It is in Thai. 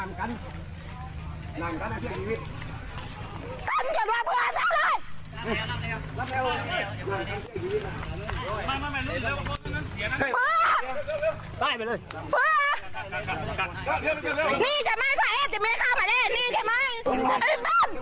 เราจะแม่นอะไรเลยไปโท่มเกตค์สว่างโภงและพาวติ๊กตึงมีมาต์ยิงเพือนอยู่